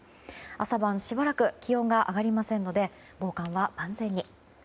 朝晩、しばらく気温が上がりませんので防寒は万全に。